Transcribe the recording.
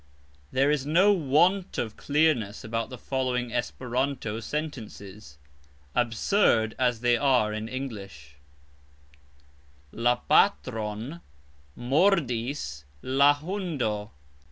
There is no want of clearness about the following (Esperanto) sentences, absurd as they are in English: La patron mordis la hundo.